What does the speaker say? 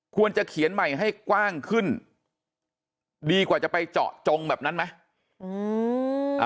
ควรจะเขียนใหม่ให้กว้างขึ้นดีกว่าจะไปเจาะจงแบบนั้นไหม